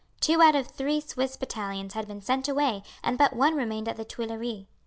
Two out of the three Swiss battalions had been sent away and but one remained at the Tuileries.